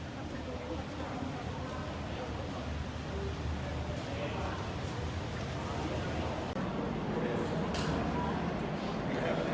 สวัสดีครับสวัสดีครับ